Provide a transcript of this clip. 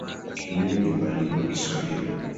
Mimi ni mwalimu wa kiswahili